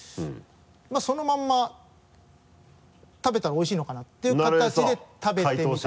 まぁそのまんま食べたらおいしいのかなっていう形で食べてみたところ。